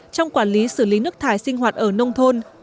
trong quản lý xử lý nước thải sinh hoạt ở nông thôn